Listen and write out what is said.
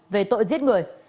về tội giết người